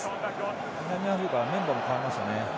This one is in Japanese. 南アフリカはメンバーを代えましたね。